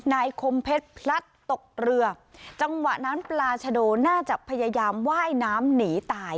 คมเพชรพลัดตกเรือจังหวะนั้นปลาชโดน่าจะพยายามไหว้น้ำหนีตาย